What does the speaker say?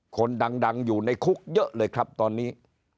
คนดังอยู่ในคุกเยอะเลยครับตอนนี้